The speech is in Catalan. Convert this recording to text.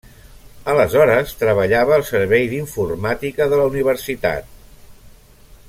Aleshores treballava al servei d’informàtica de la universitat.